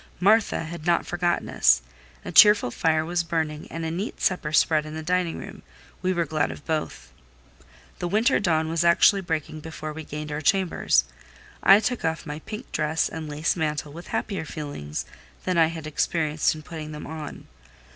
Martha had not forgotten us; a cheerful fire was burning, and a neat supper spread in the dining room: we were glad of both. The winter dawn was actually breaking before we gained our chambers. I took off my pink dress and lace mantle with happier feelings than I had experienced in putting them on.